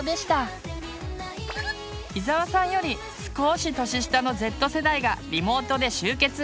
伊沢さんよりすこし年下のＺ世代がリモートで集結。